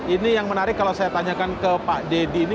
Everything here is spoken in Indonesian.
ini yang menarik kalau saya tanyakan ke pak deddy ini